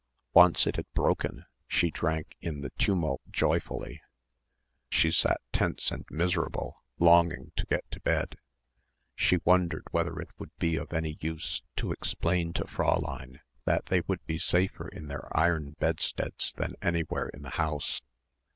Once it had broken, she drank in the tumult joyfully. She sat tense and miserable longing to get to bed. She wondered whether it would be of any use to explain to Fräulein that they would be safer in their iron bedsteads than anywhere in the house.